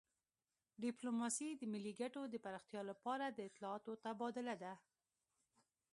ډیپلوماسي د ملي ګټو د پراختیا لپاره د اطلاعاتو تبادله ده